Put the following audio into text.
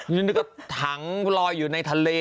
ยังไงก็ถังรอยอยู่ในทะเล